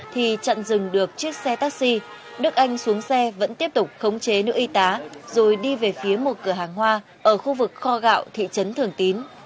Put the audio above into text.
thì chặn dừng được chiếc xe taxi đức anh xuống xe vẫn tiếp tục khống chế nữ y tá rồi đi về phía một cửa hàng hoa ở khu vực kho gạo thị trấn thường tín